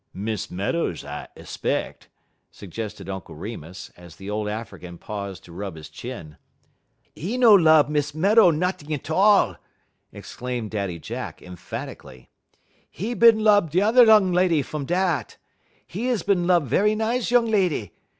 "Miss Meadows, I 'speck," suggested Uncle Remus, as the old African paused to rub his chin. "'E no lub Miss Meadow nuttin' 't all!" exclaimed Daddy Jack, emphatically. "'E bin lub turrer noung leddy fum dat. 'E is bin lub werry nice noung leddy.